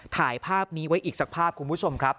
ถ่ายภาพนี้ไว้อีกสักภาพคุณผู้ชมครับ